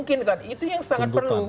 itu yang sangat perlu